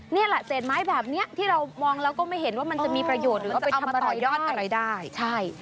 นี่แหละเศษไม้แบบนี้ที่เรามองแล้วก็ไม่เห็นว่ามันจะมีประโยชน์หรือว่าไปทำต่อยอดอะไรได้ใช่